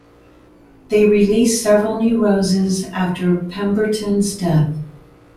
They released several new roses after Pemberton's death.